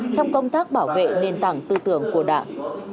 trong công tác bảo vệ nền tảng tư tưởng của đảng